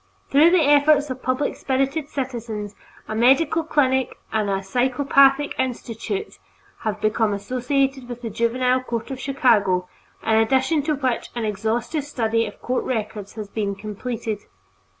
Through the efforts of public spirited citizens a medical clinic and a Psychopathic Institute have become associated with the Juvenile Court of Chicago, in addition to which an exhaustive study of court records has been completed.